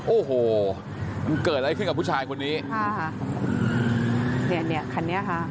โอ้โหมันเกิดอะไรขึ้นกับผู้ชายคนนี้ค่ะเนี่ยคันนี้ค่ะ